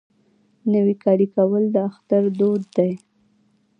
نوی کالی کول د اختر دود دی.